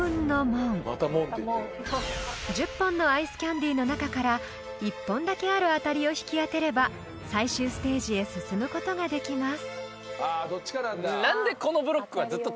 ［１０本のアイスキャンディーの中から１本だけあるアタリを引き当てれば最終ステージへ進むことができます］